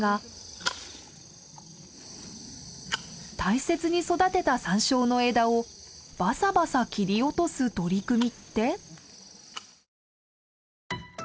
大切に育てたサンショウの枝をバサバサ切り落とす取り組みって？